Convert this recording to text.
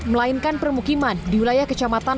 melainkan permukiman di wilayah kecamatan